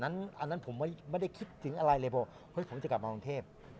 อันนั้นผมไม่ได้คิดถึงอะไรเลยผมจะกลับมารมทศ์ลงเทพฯ